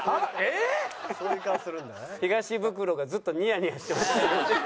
東ブクロがずっとニヤニヤしてますけどね。